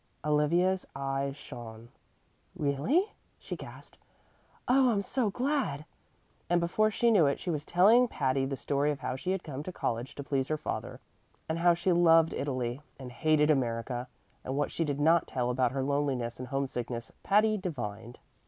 Olivia's eyes shone. "Really?" she gasped. "Oh, I'm so glad!" And before she knew it she was telling Patty the story of how she had come to college to please her father, and how she loved Italy and hated America; and what she did not tell about her loneliness and homesickness Patty divined.